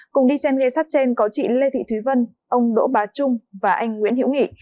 cùng đi trên ghe sát trên có chị lê thị thúy vân ông đỗ bá trung và anh nguyễn hiễu nghị